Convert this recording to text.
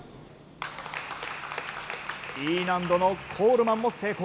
Ｅ難度のコールマンも成功。